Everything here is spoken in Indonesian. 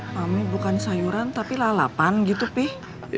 pami bukan sayuran tapi lalapan gitu pih